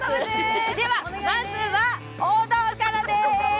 ではまずは王道からです。